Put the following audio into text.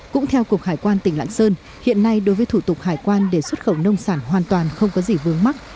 cũng theo cục hải quan tỉnh lạng sơn hiện nay đối với thủ tục hải quan để xuất khẩu nông sản hoàn toàn không có gì vướng mắt